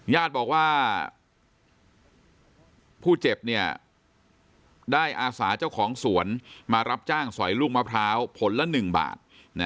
ญาติบอกว่าผู้เจ็บได้อาสาเจ้าของสวนมารับจ้างสอยลูกมะพร้าวผลละ๑บาท